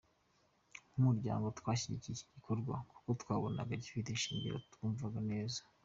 Nk’Umuryango, twashyigikiye iki gikorwa, kuko twabonaga gifite ishingiro twumvaga neza.